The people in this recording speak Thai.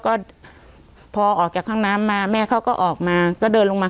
ก็พอออกจากห้องน้ำมาแม่เขาก็ออกมาก็เดินลงมา